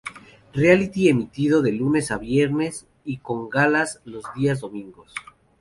Reality emitido de lunes a viernes y con galas los días domingos.